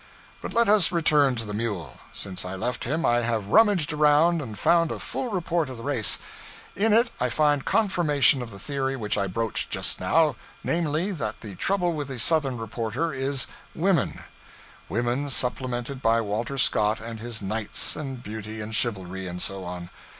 But let us return to the mule. Since I left him, I have rummaged around and found a full report of the race. In it I find confirmation of the theory which I broached just now namely, that the trouble with the Southern reporter is Women: Women, supplemented by Walter Scott and his knights and beauty and chivalry, and so on.